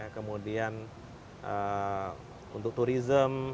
kemudian untuk turism